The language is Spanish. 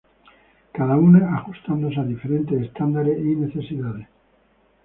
Cada una ajustándose a diferentes estándares y necesidades.